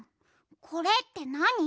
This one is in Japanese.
これってなに？